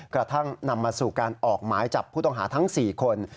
กระทั่งนำมาสู่การออกหมายจับผู้ต้องหาทั้ง๔คน